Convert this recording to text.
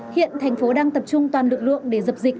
hiện thành phố đang tập trung toàn lực lượng để dập dịch